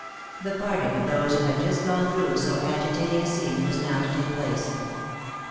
The parting of those who had just gone through so agitating a scene was now to take place.